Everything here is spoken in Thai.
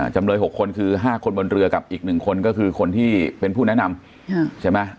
จำเลย๖คนคือ๕คนบนเรือกับอีก๑คนก็คือคนที่เป็นผู้แนะนำใช่ไหม